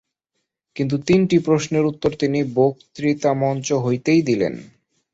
কিন্তু তিনটি প্রশ্নের উত্তর তিনি বক্তৃতামঞ্চ হইতেই দিলেন।